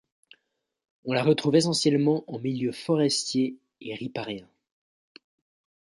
On la retrouve essentiellement en milieux forestier et riparien.